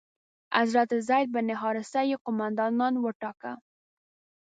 حضرت زید بن حارثه یې قومندان وټاکه.